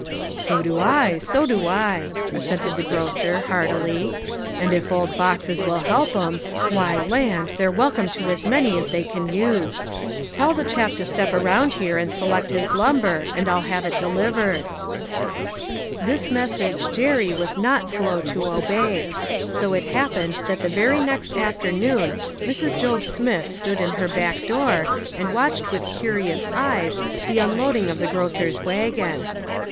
"So do I, so do I," assented the grocer, heartily, " and if old boxes will help 'em, why, land, they're welcome to as many as they can use. Tell the chap to step around here and select his lumber, and I'll have it delivered." A GREAT UNDERTAKING. 101 This message Jerry was not slow to obey ; so it happened that the very next afternoon Mrs. Job Smith stood in her back door and watched with curious eyes the unloading of the grocer's wagon.